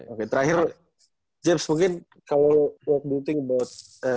oke terakhir james mungkin kalo lo what do you think about